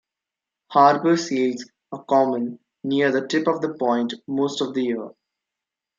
Harbor seals are common near the tip of the point most of the year.